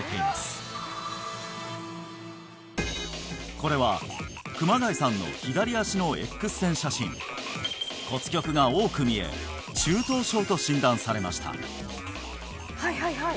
これは熊谷さんの左脚のＸ線写真骨きょくが多く見え中等症と診断されました